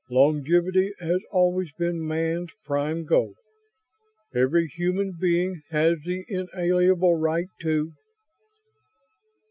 "Longevity has always been man's prime goal. Every human being has the inalienable right to ..."